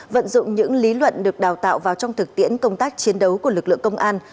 vận dụng những lý luận được đào tạo vào trong thực tiễn công tác chiến đấu của lực lượng công an